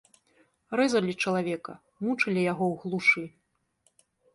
Рэзалі чалавека, мучылі яго ў глушы.